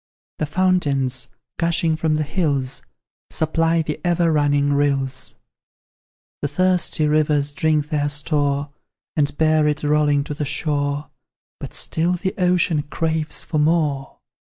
The fountains, gushing from the hills, Supply the ever running rills; The thirsty rivers drink their store, And bear it rolling to the shore, But still the ocean craves for more.